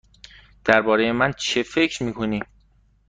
درباره من چه فکر می کنی؟